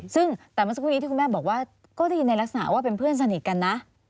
ซึ่งแต่เมื่อสักครู่นี้ที่คุณแม่บอกว่าก็ได้ยินในลักษณะว่าเป็นเพื่อนสนิทกันนะ